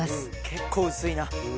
結構薄いな。